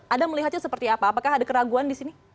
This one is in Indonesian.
anda melihatnya seperti apa apakah ada keraguan di sini